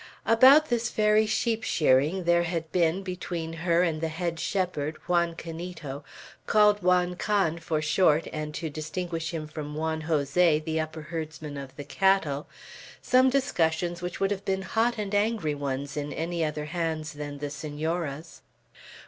About this very sheep shearing there had been, between her and the head shepherd, Juan Canito, called Juan Can for short, and to distinguish him from Juan Jose, the upper herdsman of the cattle, some discussions which would have been hot and angry ones in any other hands than the Senora's.